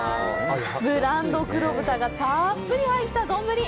ブランド黒豚がたっぷり入った丼！